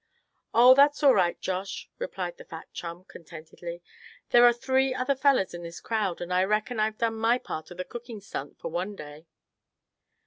"Oh! that's all right, Josh," replied the fat chum, contentedly; "there are three other fellers in this crowd, and I reckon I've done my part of the cooking stunt for one day."